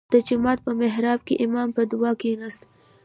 • د جومات په محراب کې امام په دعا کښېناست.